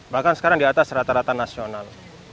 bahkan sekarang di atas rata rata nasional